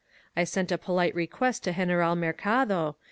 I sent a polite request to General Mercado.